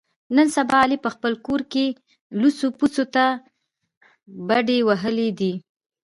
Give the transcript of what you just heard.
نن سبا علي په خپل کلي کور کې لوڅو پوڅو ته بډې وهلې دي.